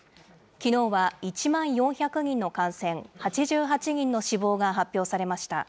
きのうは１万４００人の感染、８８人の死亡が発表されました。